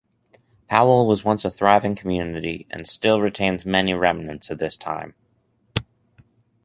Powell was once a thriving community and still retains many remnants of this time.